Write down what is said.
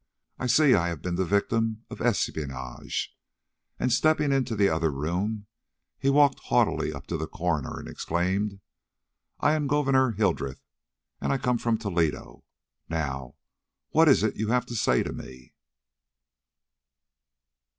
"I see I have been the victim of espionage." And stepping into the other room, he walked haughtily up to the coroner and exclaimed: "I am Gouverneur Hildreth, and I come from Toledo. Now, what is it you have to say to me?"